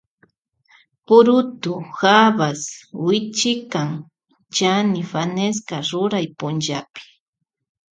Purutu habas wichikan chani fanesca ruray punllapi.